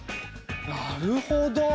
なるほど。